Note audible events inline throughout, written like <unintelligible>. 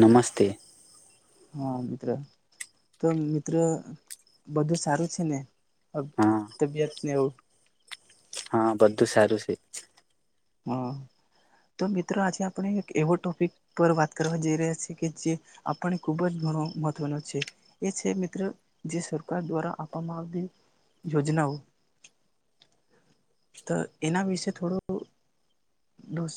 નમસ્તે. હા મિત્ર તો મિત્ર બધું સારું છે ને? અ હા તબિયત નેવ. હા બધું સારું છે. હા તો મિત્રો આજે આપણે એક એવો ટોપિક પર વાત કરવા જઈ રહ્યા છીએ કે, જે આપને ખુબ જ ઘણો મહત્વનો છે, એ છે મિત્રો જે સરકાર દ્વારા આપવામાં આવતી યોજનાઓ તો એના વિશે થોડું. બસ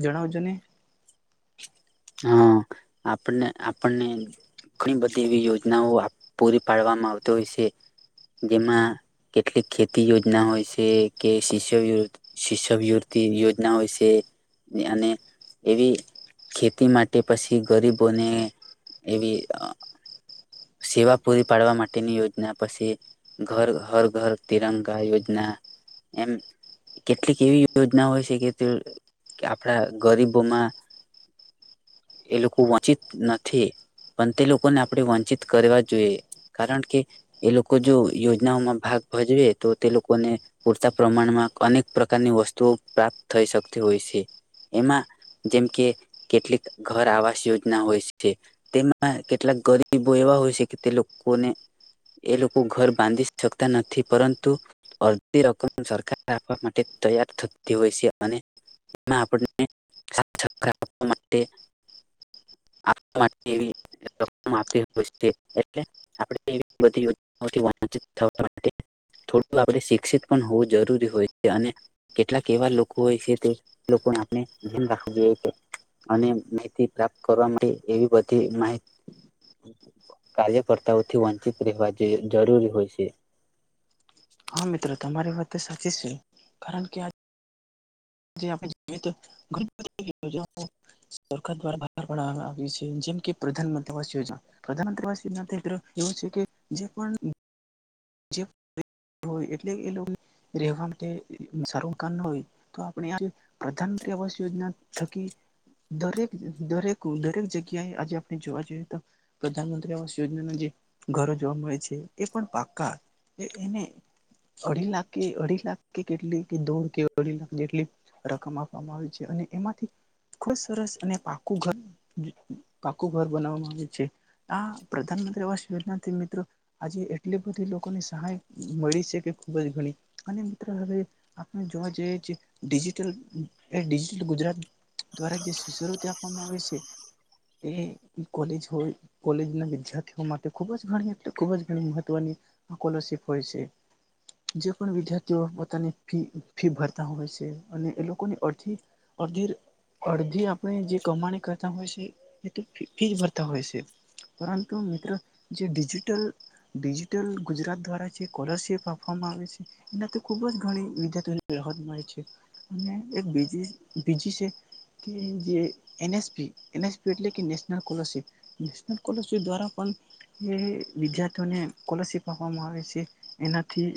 જણાવજો ને. હ આપને આપણને ઘણી બધી એવી યોજનાઓ પૂરી પાડવામાં આવતી હોય છે, જેમાં કેટલીક ખેતી યોજના હોય છે કે શિષ્ય શિષ્યવવૃતિ યોજના હોય છે અને એવી ખેતી માટે પછી, ગરીબોને એવી સેવા પૂરી પાડવા માટેની યોજના પછી. ઘર હર ઘર તિરંગા યોજના એમ કેટલીક એવી યોજના હોય છે, કે આપણા ગરીબોમાં એ લોકો વંચિત નથી. પણ તે લોકોને આપણે વંચિત કરવા જોઈએ કારણ કે એ લોકો જો યોજનાઓમાં ભાગ ભજવે તો તે લોકોને પૂરતા પ્રમાણમાં અનેક પ્રકારની વસ્તુઓ પ્રાપ્ત થઈ શકતી હોય છે. એમાં જેમ કે કેટલીક ઘર આવાસ યોજના હોય છે. તેમાં કેટલાક ગરીબો એવા હોય છે કે તે લોકોને એ લોકો ઘર બાંધી શકતા નથી પરંતુ અડધી રકમ સરકાર આપવા માટે તૈયાર થતી હોય છે. અને તેમાં આપને વા માટેવી આપતી હોય છે એટલે આપ એવી બધીયોજનાથીચ થવા માટે થોડું આપ શિક્ષિત પણ હોવું જરૂરી હોય છે. અને કેટલાક એવા લોકો હોય છે તે લોકો આપણે ધન રાખું જો. અને માહિતી પ્રાપ્ત કરવા માટે એવી બધી માહિત કાર્યકર્તાઓથી વંચિત રહેવા જરૂરી હોય છે. હા મિત્રો તમારી વાત સાચી છે. કારણ કે આ આપણે જો તોણી બધીયોજ સરકાર દ્વા બહાર પાડ આવી છે. જેમ કે પ્રધાનમંત્રીવાસ યોજના પ્રધાનમંતસ યોજના એવું છે કે જે પણ જે હોય એટલે એ લોકો રહેેવા માટે સારુંકા ન હોય તો આપણે આ પ્રધાનમંત્રી આવાસ યોજના થકી દરેક દરેક દરેક જગ્યાએ આજે આપણે જોવા જઈએ તો, પ્રધાનમંત્રી આવાસ યોજનાના જે ઘરો જોવા મળે છે એ પણ પાકા. એને અઢી લાખ કે અઢી લાખ કે કેટલી કે દોડ કે અઢી લાખ જેટલી રકમ આપવામાં આવે છે. અને એમાંથી ખૂબ સરસ અને પાકું ઘર પાકું ઘર બનાવવામાં આવે છે. આ પ્રધાનમંત્રી આવાસ યોજનાથી મિત્રો આજે એટલી બધી સહાય મળી ખૂબ જ ગણી. અને મિત્રો હવે આપણે જોવા જઈ ડિજિટલ ડિજિટલ ગુજરાત દ્વારા જે શિષ્યવૃતિ આપવામાં આવે છે એ કોલેજ હો કોલેજ ના વિદ્યાર્થીઓ માટે ખુબ જ ગણી એટલે ખૂબ જ ઘણી મહત્વની. સ્લરશીપ હોય છે જે પણ વિદ્યાર્થીઓ પોતાની ફી ભરતા હોય છે અને એ લોકોની અડધી અડધી અડધી આપણે જે કમાણી કરતા હોય છે. એ ફીજ ભરતા હોય છે પરંતુ મિત્રો જે ડિજિટલ ડિજિટલ ગુજરાત દ્વારા જે સ્કોલરશિપ આપવામાં આવે છે, એનાથી ખૂબ જ ઘણી વિદ્યાર્થીઓની રાહત મળે છે. અને એક બીજી બીજી છે કે જે એનએસપી એનએસપી એટલે કે નેશનલ સ્કોલરશિપ નેશનલ સ્કોલરશિપ દ્વારા પણ એ વિદ્યાર્થીઓને સ્કોલરશિપ આવે છે. એનાથી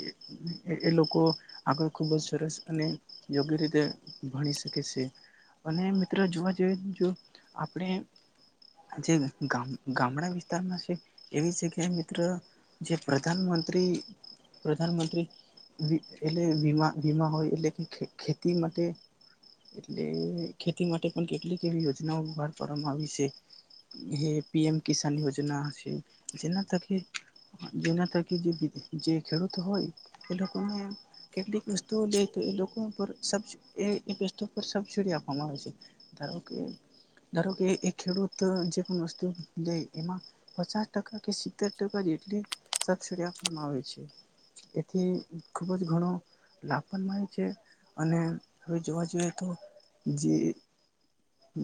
એ લોકો આગળ ખૂબ જ સરસ અને યોગ્ય રીતે ભણી શકે છે. અને મિત્ર જોવા જઈ જો આપણે જે ગામડા વિસ્તારમાં છે એવી જગ્યાએ મિત્ર જે પ્રધાનમંત્રી પ્રધાનમંત્રીી એટલે વીમા વીમા હોય એટલે કે ખેતી માટે એટલે ખેતી માટે પણ કેટલી એવી યોજનાઓ બહાર પાડવામાં આવી છે. હે પીએમ કિસાન યોજના હ છે, જેના તકે જેના થકી જે જે ખેડૂત હોય એ લોકોને કેટલીક વસ્તુઓ લઈ તો એ લોકો વસ્તુ પર સબસીડી આપવામાં આવે છે. ધારો કે ધારો કે એ ખેડૂત જે પણ વસ્તુ લે એમાં પચાસ ટકા કે સિત્તેર ટકા જેટલી સબસડી આપવામાં આવે છે. એથી ખુબ જ ઘણો લાભ પણ મળે છે. અને હવે જોવા જઈએ તો જે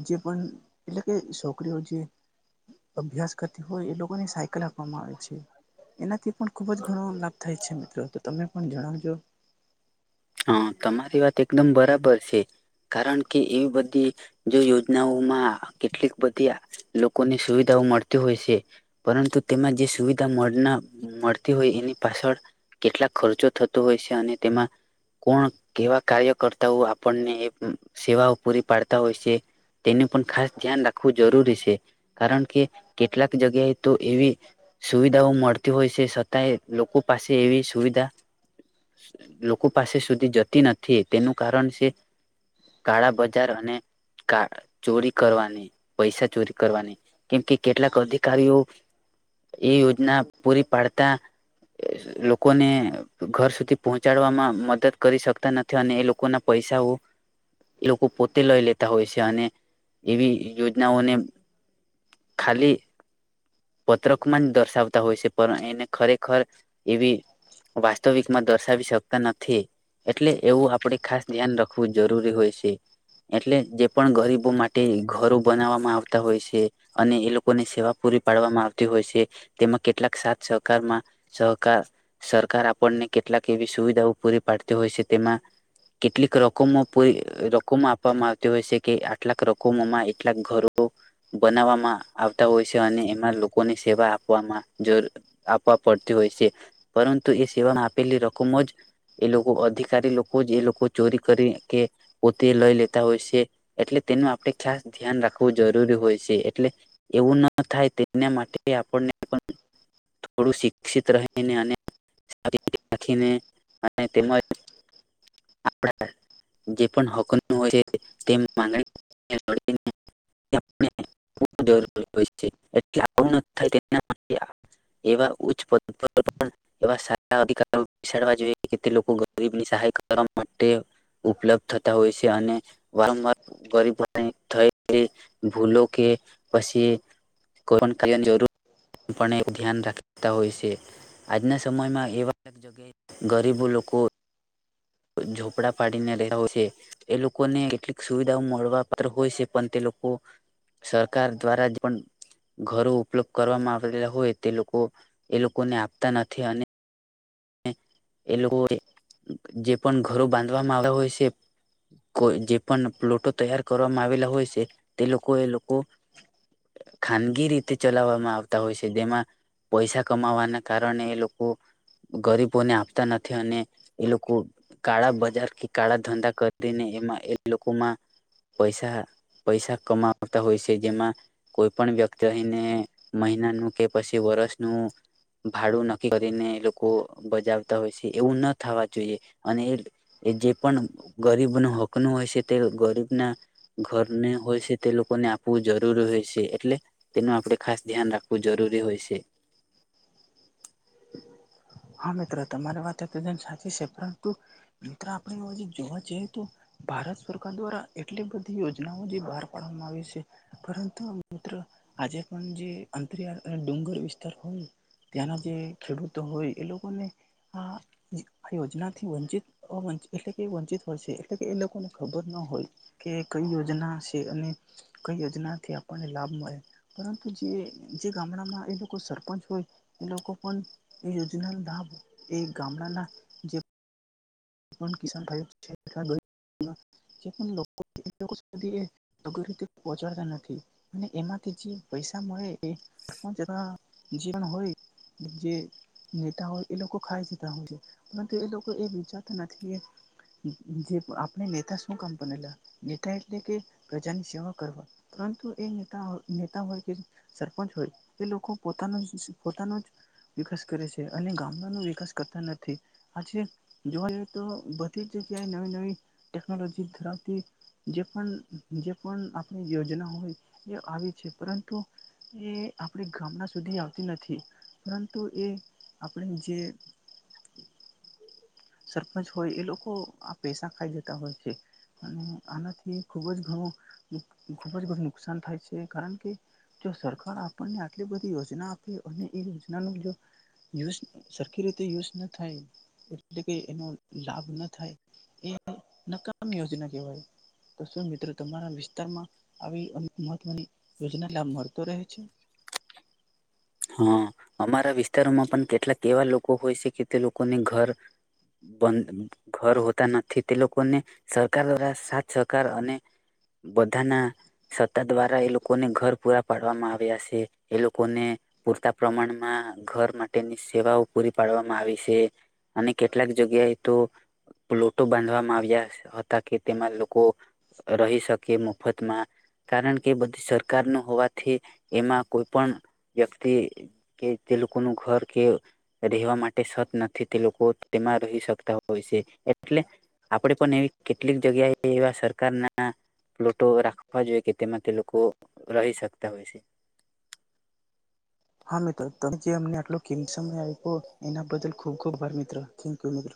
જે પણ એટલે કે છોકરીઓ જે અભ્યાસ કરતી હોય એ લોકોને સાયકલ આપવામાં આવે છે. એનાથી પણ ખુબ જ ઘણો લાભ થાય છે મિત્રો તો તમે પણ જણાવજો. હા તમારી વાત એકદમ બરાબર છે. કારણ કે એવી બધી જે યોજનાઓમાં કેટલીક બધી લોકોને સુવિધાઓ મળતી હોય છે પરંતુ તેમાં જે સુવિ <unintelligible> મળતી હોય એની પાછળ કેટલા ખર્ચો થતો હોય છે અને તેમાં કોણ કેવા કાર્ય કરતા હોય આપણને એ સેવાઓ પૂરી પાડતા હોય છે તેનું પણ ખાસ ધ્યાન રાખવું જરૂરી છે કારણ કે, કેટલાક જગ્યાએ તો એવી સુવિધાઓ મળતી હોય છે છતાંય લોકો પાસે એવી સુવિધા લોકો પાસે સુધી જતી નથી. તેનું કારણ છે કાળા બજાર અને કા ચોરી કરવાની પૈસા ચોરી કરવાની કેમ કે કેટલાક અધિક કારીઓ એ યોજના પૂરી પાડતા લોકોને ઘર સુધી પહોંચાડવામાં મદદ કરી શકતા નથી અને એ લોકોના પૈસાઓ એ લોકો પોતે લઈ લેતા હોય છે અને એવી યોજનાઓને ખાલી પત્રકમાં જ દર્શાવતા હોય છે. પણ એને ખરેખર એવી વાસ્તવિકમાં દર્શાવી શકતા નથી એટલે એવું આપણે ખાસ ધ્યાન રાખવું જરૂરી હોય છે એટલે જે પણ ગરીબો માટે ઘરો બનાવવામાં આવતા હોય છે અને એ લોકોની સેવા પૂરી પાડવામાં આવતી હોય છે તેમાં કેટલાક સાથ સહકારમાં સહકાર સરકાર આપ આપણને કેટલાક એવી સુવિધાઓ પૂરી પાડતી હોય છે તેમાં કેટલીક રકમો પૂરી રકમો આપવામાં આવતી હોય છે કે આટલાક રકમોમાં એટલાક ઘરો બનાવવામાં આવતા હોય છે અને ના લોકોની સેવા આપવામાં આપવા પડતી હોય છે પરંતુ એ સેવામાં હાજર આપેલી રકમ જ એ લોકો અધિકારી લોકો જ એ લોકો ચોરી કરી કે પોતે લઈ લેતા હોય છે એટલે તેનું આપણે ખાસ ધ્યાન રાખવું જરૂરી હોય છે એટલે એવું ના થાય. એના માટે આપણને પણ થોડું શિક્ષિત રહીને અને રાખીને અને તેમજ આપણા જે પણ હક હોય છે તેમ ગણી હો છે. એ આવું તેના માટે એવા ઉચ્ચ પદ પર પણ એવા સારા અધિકારો બેસાડવા જોઈએ કે તે લોકો ગરીબની સહાય કરવા માટે ઉપલબ્ધ થતા હોય છે અને વારંવાર ગરીબ થયલી ભૂલો કે પછી <unintelligible> જરૂર પણ ધ્યાન રાખતા હોય છે આજના સમયમાં એવા જગ્યાએ ગરીબો લોકો ઝોપડા પાડીને રહેતા હોય છે એ લોકોને કેટલીક સુવિધાઓ મળ પણ હોય છે પણ તે લોકો સરકાર દ્વારા પણ ઘરો ઉપલબ્ધ કરવામાં આવેલા હોય તે લોકો એ લોકોને આપતા નથી અને એ લોકોએ જે પણ ઘરો બાંધવામાં આવ્યા હોય છે કો જે પણ પ્લોટો તૈયાર કરવામાં આવેલા હોય છે તે લોકો એ ખાનગી રીતે ચલાવવામાં આવતા હોય છે જેમાં પૈસા કમાવાના કારણે એ લોકો ગરીબોને આપતા નથી અને એ લોકો કાળા બજાર કે કાળા ધંધા કરીને એમાં એ લોકોમાં પૈસા પૈસા કમાવતા હોય છે જેમાં કોઈ પણ વ્યક્તિ અહીને મહિનાનું કે પછી વર્ષનું ભાડું નક્કી કરીને લોકો બજાવતા હોય છે એવું ના થવા જોઈએ અને એ જે પણ ગરીબનો હકનું હોય છે તે ગરીબના ઘરને હોય છે તે લોકોને આપવું જરૂરી હોય છે એટલે તેનું આપણે ખાસ ધ્યાન રાખવું જરૂરી હોય છે. હા મિત્ર તમારી વાત તદન સાચી છે પરંતુ મિત્ર આપણે જોવા જઈએ તો ભારત સરકાર દ્વારા એટલી બધી યોજનાઓ જે બહાર પાડવામાં આવી છે પરંતુ મિત્ર આજે પણ જે અંતરિયાળ અને ડુંગર વિસ્તાર હોય ત્યાંના જે ખેડૂતો હોય એ આ આ યોજના થી વંચિત એટલે કે વંચિત હોય છે એટલે કે એ લોકોને ખબર ના હોય કે કઈ યોજના છે અને કઈ યોજનાથી આપણને લાભ મળે પરંતુ જે ગામડામાં એ લોકો સરપંચ હોય એ લોકો પણ એ <unintelligible> એક ગામડાના જે <unintelligible> તે પહોચાડતા નથી અને એમાંથી જે પૈસા મળે એચ જે હોય જે નેતા હોય એ લોકો ખાઈ જતા હોય છે પરંતુ એ લોકો એ વિચ જે આપણે નેતા શું કામ બનેલા નેતા એટલે કે પ્રજાની સેવા કરવા પરંતુ એ નેતા નેતા હોય કે સરપંચ હોય એ લોકો પોતાનો પોતાનો જ વિકાસ કરે છે અને ગામડાનો વિકાસ કરતા નથી આજે જોવા જઈએ તો બધી જ જગ્યાએ નવી નવી ટેકનોલોજી ધરાવતી જે પણ જે પણ આપણી યોજના હોય એ આવી છે પરંતુ એ આપણે ગામડા સુધી આવતી નથી પરંતુ એ આપણે જે સરપંચ હોય એ લોકો આ પેસા ખાઈ જતા હોય છે અને આનાથી ખૂબ જ ઘણું ખૂબ બઘું નુકસાન થાય છે કારણ કે, જો સરકાર આપણને આટલી બધી યોજના આપે અને એ યોજનાનું જો યુઝ સરખી રીતે યુઝ ના થાય એટલે કે એનો લાભ ના થાય એ નકામ યોજના કહેવાય તો શું મિત્રો તમારા વિસ્તારમાં આવી યોજના લાભ મળતો રહે છે <inaudible> હા અમારા વિસ્તારોમાં પણ કેટલાક એવા લોકો હોય છે કે તે લોકોને ઘર બધ ઘર હોતા નથી તે લોકોને સરકાર દ્વારા સાથ સહકાર અને બધાના સત્તા દ્વારા એ લોકો લોકોને ઘર પૂરા પાડવામાં આવ્યા છે એ લોકોને પૂરતા પ્રમાણમાં ઘર માટેની સેવાઓ પૂરી પાડવામાં આવી છે અને કેટલાક જગ્યાએ તો પ્લોટો બાંધવામાં આવ્યા હતા કે તેમાં લોકો રહી શકે મફતમાં કારણ કે બધ સરકાર ન હોવાથી એમાં કોઈ પણ વ્યક્તિ કે જે લોકોનું ઘર કે રહેવા માટે સત નથી તે લોકો તેમાં રહી શકતા હોય છે એટલે આપણે પણ એવી કેટલીક જગ્યાએ એવા સરકારના પ્લોટો રાખવા જોઈએ કે તેમાં તે કો રહી શકતા હોય છે. હા મિત્ર ત જે અમને આટલો કિંમતી સમય આપ્યો એના બદલ ખૂબ ખૂબ અભાર મિત્ર, થેન્કયું મિત્ર.